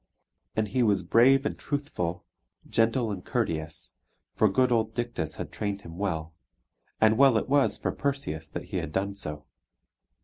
And he was brave and truthful, gentle and courteous, for good old Dictys had trained him well; and well it was for Perseus that he had done so.